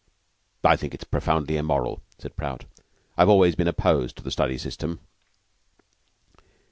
"I think it is profoundly immoral," said Prout. "I've always been opposed to the study system."